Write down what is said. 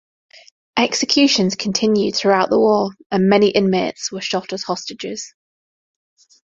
Executions continued throughout the war, and many inmates were shot as hostages.